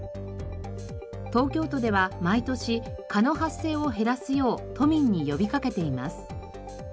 東京都では毎年蚊の発生を減らすよう都民に呼び掛けています。